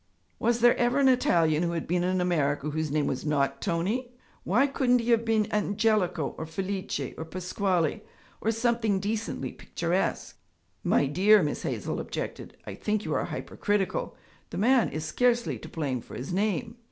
'Was there ever an Italian who had been in America whose name was not Tony? Why couldn't he have been Angelico or Felice or Pasquale or something decently picturesque?' 'My dear,' Miss Hazel objected, 'I think you are hypercritical. The man is scarcely to blame for his name.'